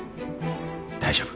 大丈夫。